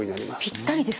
ぴったりですね。